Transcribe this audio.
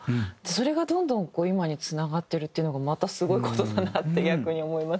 それがどんどん今につながってるっていうのがまたすごい事だなって逆に思いますよね。